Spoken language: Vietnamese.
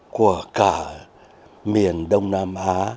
của cả miền đông nam á